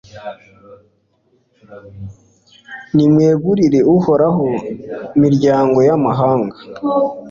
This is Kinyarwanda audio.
nimwegurire uhoraho, miryango y'amahanga